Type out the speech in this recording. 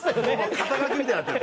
肩書みたいになってる。